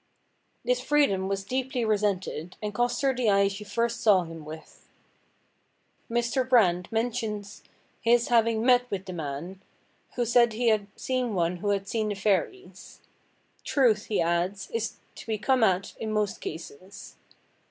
This freedom was deeply resented, and cost her the eye she first saw him with. Mr. Brand mentions his having met with a man, who said he had seen one who had seen the fairies. Truth, he adds, is to be come at in most cases.